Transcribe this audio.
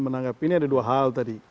menanggapi ini ada dua hal tadi